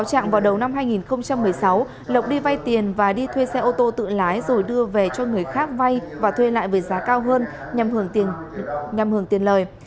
trạng vào đầu năm hai nghìn một mươi sáu lộc đi vay tiền và đi thuê xe ô tô tự lái rồi đưa về cho người khác vay và thuê lại với giá cao hơn nhằm hưởng tiền lời